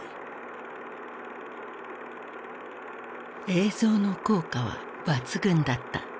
映像の効果は抜群だった。